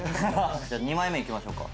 じゃあ２枚目いきましょうか。